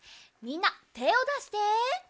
みんなてをだして。